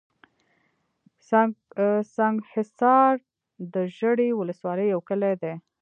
سنګحصار دژړۍ ولسوالۍ يٶ کلى دئ